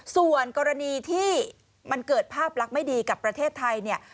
ส่วนกรณีที่มันเกิดภาพลักษณ์ไม่ดีกับประเทศไทยเนี่ย